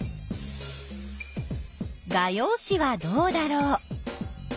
画用紙はどうだろう？